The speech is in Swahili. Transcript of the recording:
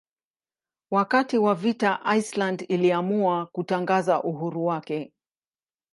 Wakati wa vita Iceland iliamua kutangaza uhuru wake.